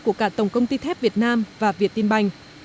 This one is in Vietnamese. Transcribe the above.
của cả tổng công ty thép việt nam và việt tin banh